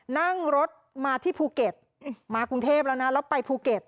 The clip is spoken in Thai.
นั่งรถมาที่ภูเก็ตมากรุงเทพแล้วนะแล้วไปภูเก็ต